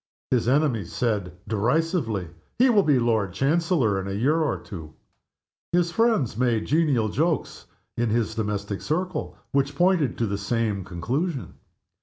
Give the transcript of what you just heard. His enemies said, derisively, "He will be Lord Chancellor in a year or two!" His friends made genial jokes in his domestic circle, which pointed to the same conclusion.